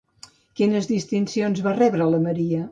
Quines distincions va rebre la Maria?